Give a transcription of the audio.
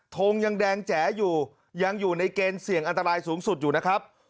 ทงยังแดงแจ๋อยู่ยังอยู่ในเกณฑ์เสี่ยงอันตรายสูงสุดอยู่นะครับ